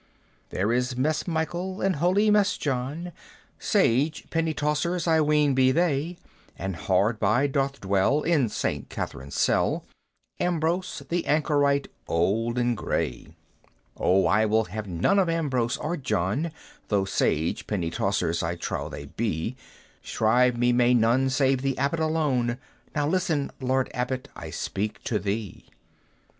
"There is Mess Michael, and holy Mess John, Sage penitauncers I ween be they! And hard by doth dwell, in St. Catherine's cell, Ambrose, the anchorite old and gray!" "Oh, I will have none of Ambrose or John, Though sage penitauncers I trow they be; Shrive me may none save the Abbot alone Now listen, Lord Abbot, I speak to thee.